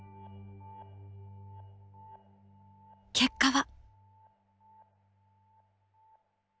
結果は？